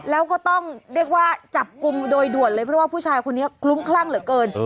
แล้วก็ต้องเรียกว่าจับกลุ่มโดยด่วนเลยเพราะว่าผู้ชายคนนี้คลุ้มคลั่งเหลือเกิน